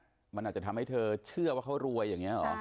เธอก็เลยอยากให้ตำรวจเป๋อธตรวจสอบว่าสิ่งต่างที่เสียท้อปเธอโพสต